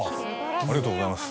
ありがとうございます。